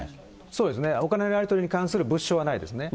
そうですね、お金のやり取りに関する物証はないですね。